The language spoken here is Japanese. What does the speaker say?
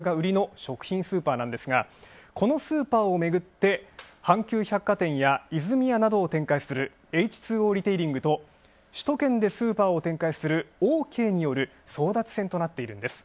大阪府や兵庫県などで６５店舗を展開する低価格が売りの食品スーパーなんですが、このスーパーをめぐって阪急百貨店やイズミヤなどを展開するＨ２Ｏリテイリングと首都圏でスーパーを展開するオーケーによる争奪戦となっているんです。